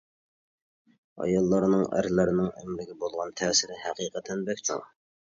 ئاياللارنىڭ ئەرلەرنىڭ ئۆمرىگە بولغان تەسىرى ھەقىقەتەن بەك چوڭ.